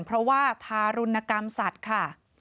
เพราะว่าทารุณกรรมสัตว์ค่ะ